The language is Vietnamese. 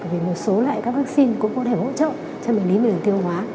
vì một số lại các vaccine cũng có thể hỗ trợ cho bệnh lý miệng tiêu hóa